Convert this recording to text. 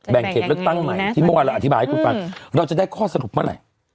เขตเลือกตั้งใหม่ที่เมื่อวานเราอธิบายให้คุณฟังเราจะได้ข้อสรุปเมื่อไหร่